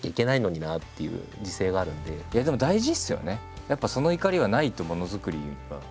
いやでも大事ですよね。